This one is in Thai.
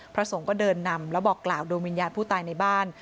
พระสงฆ์ก็เดินนำแล้วบอกกล่าวดวงวิญญาณผู้ตายในบ้าน